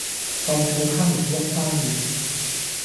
況且他們一翻臉，